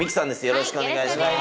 よろしくお願いします！